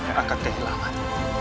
yang akan kehilangan